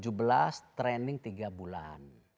tujuh belas training tiga bulan